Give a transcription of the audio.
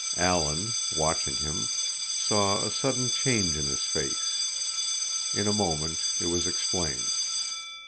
Alan, watching him, saw a sudden change in his face. In a moment it was explained.